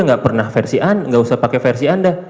tidak pernah versi anda tidak usah pakai versi anda